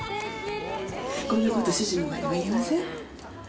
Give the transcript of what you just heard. こんなこと、主人の前では言えません。